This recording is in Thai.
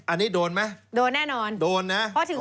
อันนี้โดนไหมโดนนะโดนแน่นอน